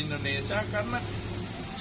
saya sudah tidak tahu